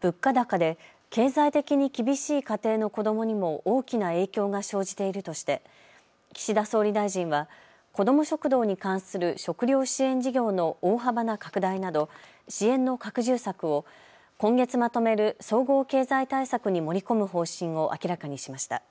物価高で経済的に厳しい家庭の子どもにも大きな影響が生じているとして岸田総理大臣は子ども食堂に関する食料支援事業の大幅な拡大など支援の拡充策を今月まとめる総合経済対策に盛り込む方針を明らかにしました。